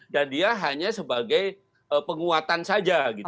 dan dia hanya sebagai penguatan saja gitu